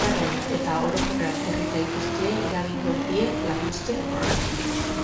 Egoiliarrei eta orokorrean herritar guztiei eragingo die lanuzte horrek.